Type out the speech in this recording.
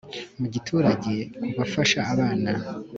mu giturage kubafasha abana